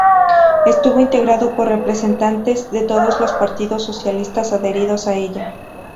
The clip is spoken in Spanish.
Estuvo integrado por representantes de todos los partidos socialistas adheridos a ella.